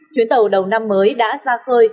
chuyến tàu đầu năm mới đã ra khơi